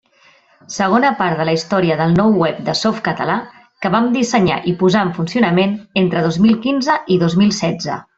Segona part de la història del nou web de Softcatalà, que vam dissenyar i posar en funcionament entre dos mil quinze i dos mil setze.